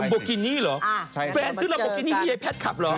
ลำโบกินี่หรือแฟนซื้อลำโบกินี่ให้ไยแพทย์ขับหรือ